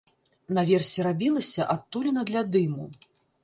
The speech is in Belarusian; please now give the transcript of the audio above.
Наверсе рабілася адтуліна для дыму.